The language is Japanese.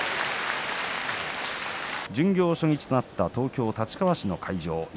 巡業初日となった東京立川市の会場